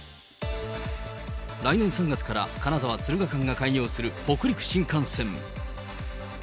来年３月から金沢・敦賀間が開業する北陸新幹線。